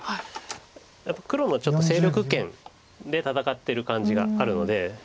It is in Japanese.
やっぱり黒のちょっと勢力圏で戦ってる感じがあるので。